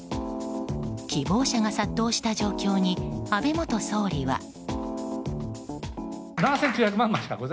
希望者が殺到した状況に安倍元総理は。